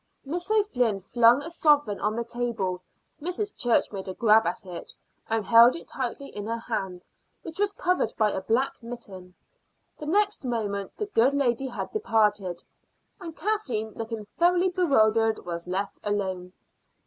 Miss O'Flynn flung a sovereign on the table. Mrs. Church made a grab at it, and held it tightly in her hand, which was covered by a black mitten. The next moment the good lady had departed, and Kathleen, looking thoroughly bewildered, was left alone.